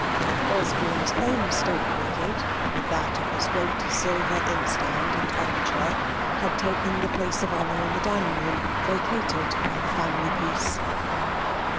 Osborne's own state portrait, with that of his great silver inkstand and arm chair, had taken the place of honour in the dining room, vacated by the family piece.